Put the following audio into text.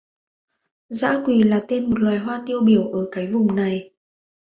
Dã quỳ là tên một loại hoa tiêu biểu ở cái vùng này